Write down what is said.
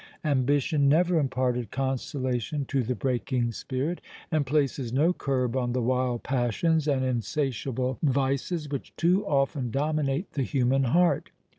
Ambition never imparted consolation to the breaking spirit, and places no curb on the wild passions and insatiable vices which too often dominate the human heart.